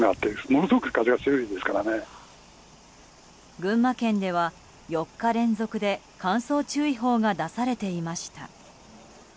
群馬県では４日連続で乾燥注意報が出されていました。